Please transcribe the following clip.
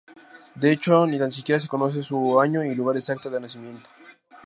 De hecho, ni tan siquiera se conoce su año y lugar exacto de nacimiento.